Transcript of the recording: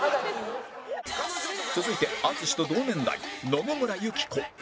続いて淳と同年代野々村友紀子